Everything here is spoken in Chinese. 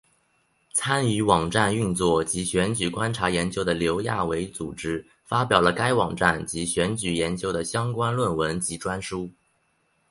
参与网站运作及选举观察研究的刘亚伟组织发表了该网站及选举研究的相关论文及专书。